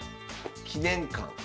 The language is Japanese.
記念館。